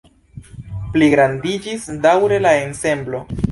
Pligrandiĝis daŭre la ensemblo.